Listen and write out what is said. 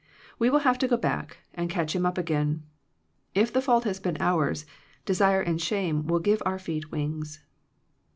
We will have to go back, and catch him up again. If the fault has been ours, de sire and shame will give our feet wings.